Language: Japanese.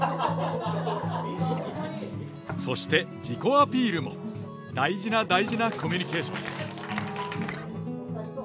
そして自己アピールも大事な大事なコミュニケーションです。